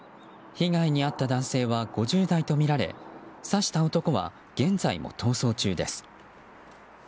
被害に遭った男性は５０代とみられ刺した男は、現在も逃走中です。